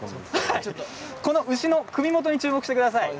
この牛の首元に注目してください。